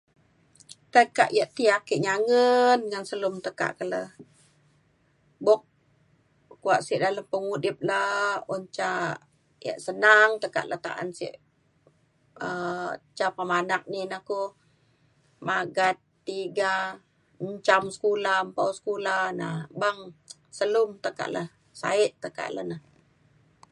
tai kak yak ti ake nyangen ngan selum tekak ke le buk kuak sek dalem pengudip na un ca yak senang tekak le ta’an sek um ca pemanak ni na ku magat tiga menjam sekula mpau sekula na beng selum tekak le saek tekak le na.